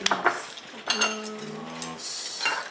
いただきます。